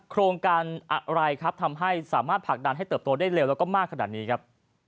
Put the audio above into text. โครงการอะไรครับทำให้สามารถผลักดันให้เติบโตได้เร็วแล้วก็มากขนาดนี้ครับ